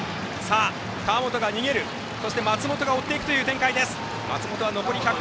川元が逃げる松本が追っていくという展開です。